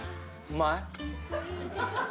うまい？